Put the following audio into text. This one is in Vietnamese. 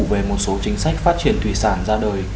về một số chính sách phát triển thủy sản ra đời